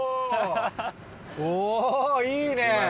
おぉいいね。